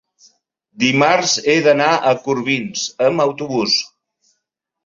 dimarts he d'anar a Corbins amb autobús.